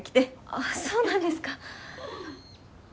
あっそうなんですか。